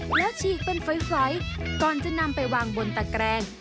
แล้วฉีกเป็นฝอยก่อนจะนำไปวางบนตะแกรง